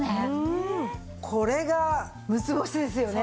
これが６つ星ですよね？